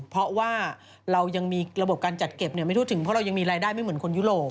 เพราะว่าเรายังมีระบบการจัดเก็บไม่ทั่วถึงเพราะเรายังมีรายได้ไม่เหมือนคนยุโรป